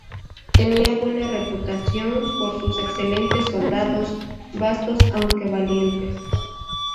Tenía buena reputación por sus excelentes soldados, bastos aunque valientes.